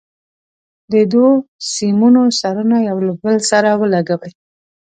د دوو سیمونو سرونه یو له بل سره ولګوئ.